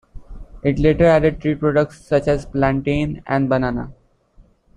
It later added tree products such as plantain and banana.